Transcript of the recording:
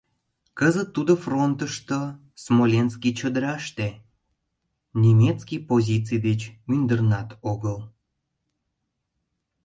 Кызыт тудо фронтышто, Смоленский чодыраште, немецкий позиций деч мӱндырнат огыл.